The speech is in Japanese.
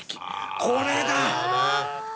これだ！